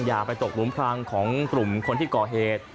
อย่าไปตกหลุมพลังของกลุ่มคนที่ก่อเหตุ